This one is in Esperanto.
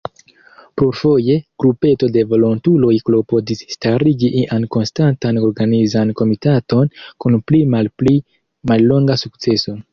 Plurfoje, grupeto de volontuloj klopodis starigi ian konstantan organizan komitaton, kun pli-malpi mallonga sukceso.